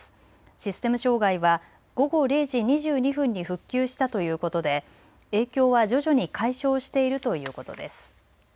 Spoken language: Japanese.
システム障害は午後０時２２分に復旧したということで影響は徐々に解消しているということです。